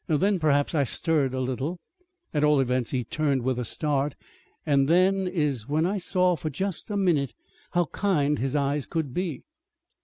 Then, perhaps I stirred a little. At all events, he turned with a start, and then is when I saw, for just a minute, how kind his eyes could be.